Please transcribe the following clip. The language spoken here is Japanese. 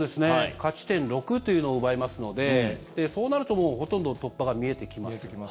勝ち点６というのを奪えますのでそうなるとほとんど突破が見えてきます。